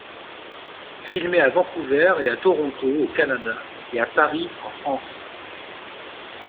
Filmée à Vancouver et à Toronto, au Canada, et à Paris, en France.